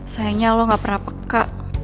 sayangnya lo gak pernah peka